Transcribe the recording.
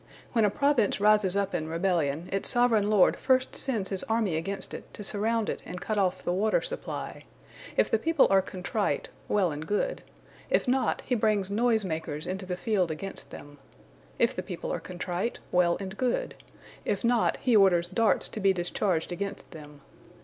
When a province rises up in rebellion, its sovereign lord first sends his army against it, to surround it and cut off the water supply. If the people are contrite, well and good; if not, he brings noise makers into the field against them. If the people are contrite, well and good; if not, he orders darts to be discharged against them.